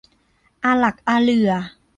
อาหลักอาเหลื่อ